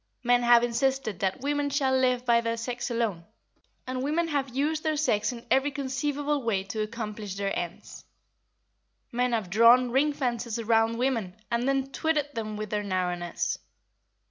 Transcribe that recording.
Men have insisted that women shall live by their sex alone, and women have used their sex in every conceivable way to accomplish their ends. Men have drawn ring fences round women and then twitted them with their narrowness.